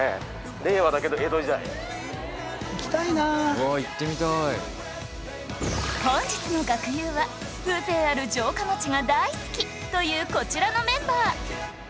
ここは非常に本日の学友は風情ある城下町が大好きというこちらのメンバー